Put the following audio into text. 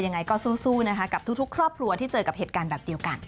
ยังไงก็สู้นะคะกับทุกครอบครัวที่เจอกับเหตุการณ์แบบเดียวกัน